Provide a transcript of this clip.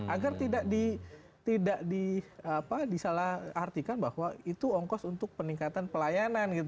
agar tidak disalah artikan bahwa itu ongkos untuk peningkatan pelayanan